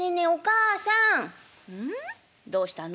「うん？どうしたの？